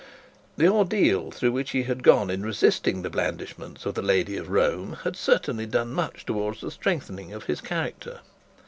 The ordeal through which he had gone, in resisting the blandishments of the lady of Rome, had certainly done much towards the strengthening of his character.